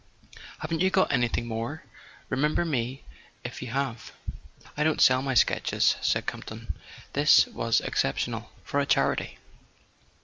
"Haven't you got anything more? Re¬ member me if you have." "I don't sell my sketches," said Campton. "This was exceptional—for a charity.